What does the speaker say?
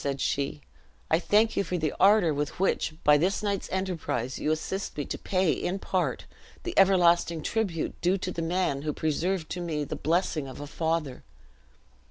said she, "I thank you for the ardor with which, by this night's enterprise, you assist me to pay, in part, the everlasting tribute due to the man who preserved to me the blessing of a father.